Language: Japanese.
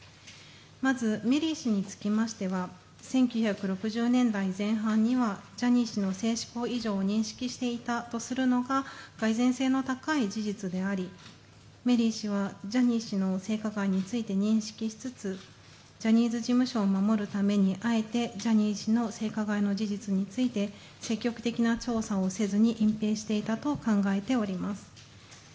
まず、メリー氏につきましては１９６０年代前半にはジャニー氏の性嗜好異常を認識していたとするのが蓋然性の高い事実でありメリー氏はジャニー氏の性加害について認識しつつジャニーズ事務所を守るためにあえてジャニー氏の性加害の事実について積極的な調査をせずに隠ぺいしていたと考えられます。